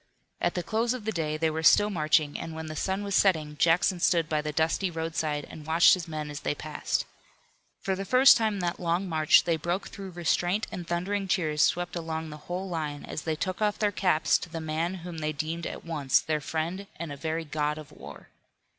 At the close of the day they were still marching, and when the sun was setting Jackson stood by the dusty roadside and watched his men as they passed. For the first time in that long march they broke through restraint and thundering cheers swept along the whole line as they took off their caps to the man whom they deemed at once their friend and a very god of war.